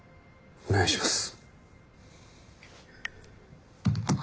お願いします。